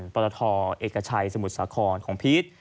ปรทเอกชัยสมุทรสาครของพีช